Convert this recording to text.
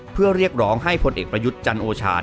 เพื่อเรียกร้องให้ผลเอกประยุทธ์จันโอชา